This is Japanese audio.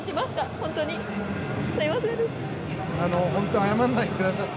本当謝らないでください。